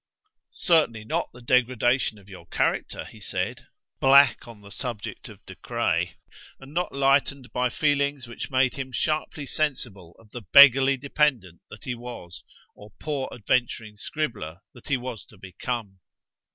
"Certainly not the degradation of your character," he said, black on the subject of De Craye, and not lightened by feelings which made him sharply sensible of the beggarly dependant that he was, or poor adventuring scribbler that he was to become.